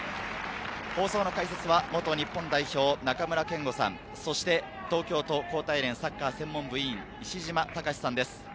解説は元日本代表・中村憲剛さん、そして東京都高体連サッカー専門部委員、石島崇さんです。